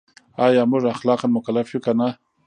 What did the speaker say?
ایا موږ اخلاقاً مکلف یو که نه؟